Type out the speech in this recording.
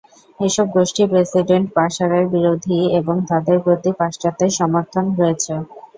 এসব গোষ্ঠী প্রেসিডেন্ট বাশারের বিরোধী এবং তাদের প্রতি পাশ্চাত্যের সমর্থন রয়েছে।